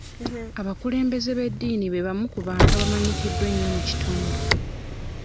Abakulembeze b'eddiini be bamu ku bantu abamanyikiddwa ennyo mu kitundu.